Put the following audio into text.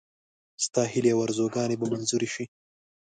ستا هیلې او آرزوګانې به منظوري شي.